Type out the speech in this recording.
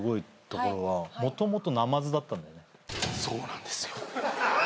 そうなんですよ。